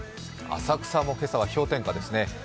浅草も今朝は氷点下ですね。